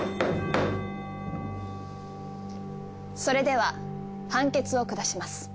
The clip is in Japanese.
それでは判決を下します。